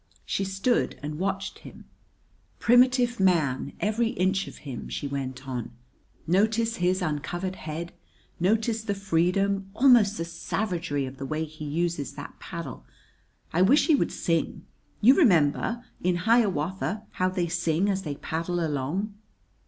She stood and watched him. "Primitive man, every inch of him!" she went on. "Notice his uncovered head. Notice the freedom, almost the savagery, of the way he uses that paddle. I wish he would sing. You remember, in Hiawatha, how they sing as they paddle along?"